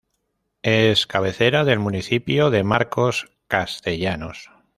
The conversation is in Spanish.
Es cabecera del Municipio de Marcos Castellanos.